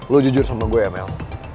lo jujur sama gue ya mel